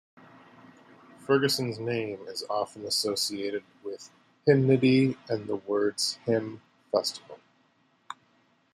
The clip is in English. Ferguson's name is often associated with hymnody and the words hymn festival.